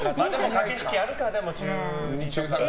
駆け引きあるか、中２、中３。